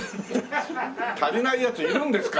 足りないヤツいるんですか？